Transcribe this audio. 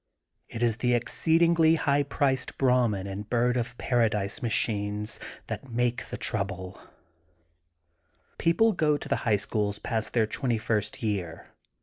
It is the ex ceedingly high priced Brahmin and Bird of Paradise machines that make the trouble. 148 THE GOLDEN BOOK OF SPRINGFIELD People go to the High Schools past their twenty first year.